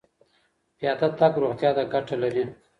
پیاده تګ روغتیا ته ګټه لري.